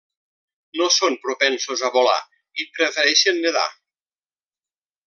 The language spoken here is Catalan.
No són propensos a volar i prefereixen nedar.